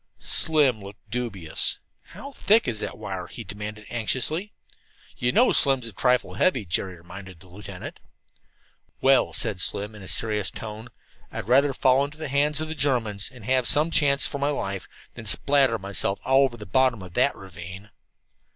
Slim looked dubious. "How thick is that wire?" he demanded anxiously. "You know Slim's a trifle heavy," Jerry reminded the lieutenant. "Well," said Slim in a serious tone, "I'd rather fall into the hands of the Germans, and have some chance for my life, than spatter myself all over the bottom of that ravine."